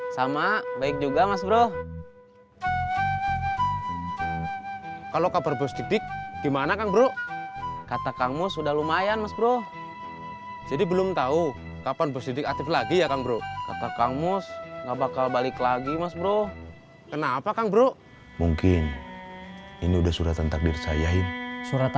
sampai jumpa di video selanjutnya